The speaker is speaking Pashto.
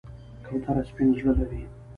کوتره سپین زړه لري.